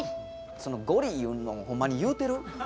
その「ゴリ」いうのほんまに言うてる？